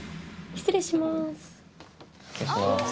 失礼します